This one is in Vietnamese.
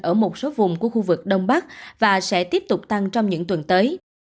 ở một số vùng của khu vực đông bắc và sẽ tiếp tục tăng trong những tuần tới